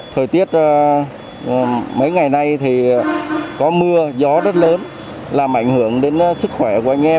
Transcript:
thời tiết mấy ngày nay thì có mưa gió rất lớn làm ảnh hưởng đến sức khỏe của anh em